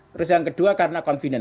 terus yang kedua karena confident